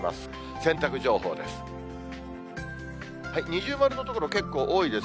洗濯情報です。